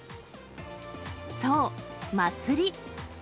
そう、祭り。